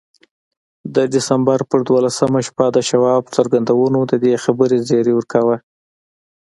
د ډسمبر پر دولسمه شپه د شواب څرګندونو د دې خبرې زيري ورکاوه.